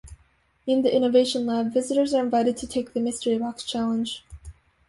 In the Innovation Lab, visitors are invited to take the Mystery Box challenge.